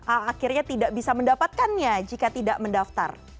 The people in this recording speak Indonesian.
akhirnya tidak bisa mendapatkannya jika tidak mendaftar